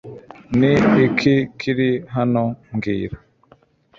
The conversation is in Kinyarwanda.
Ni iki kiri hano, Bwiza?